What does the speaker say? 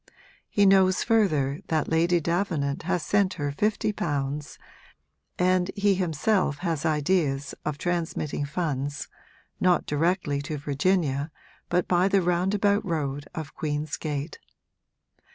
He knows further that Lady Davenant has sent her fifty pounds, and he himself has ideas of transmitting funds, not directly to Virginia but by the roundabout road of Queen's Gate.